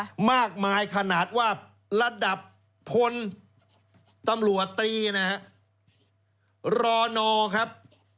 เท่าไหร่คะมากมายขนาดว่าระดับพนธ์ตำรวจตรีรอนอครับ